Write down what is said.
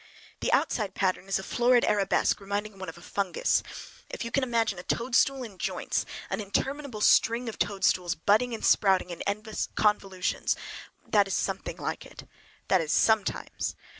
The outside pattern is a florid arabesque, reminding one of a fungus. If you can imagine a toadstool in joints, an interminable string of toadstools, budding and sprouting in endless convolutions,—why, that is something like it. That is, sometimes!